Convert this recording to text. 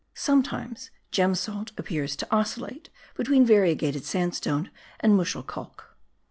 Sometimes gem salt appears to oscillate between variegated sandstone and muschelkalk.